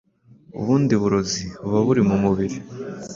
ubundi burozi buba buri mu mubiri.